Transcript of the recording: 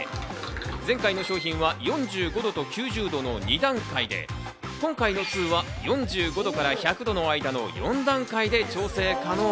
前回の商品は４５度と９０度の２段階で、今回の２は、４５度から１００度の間の４段階で調整可能。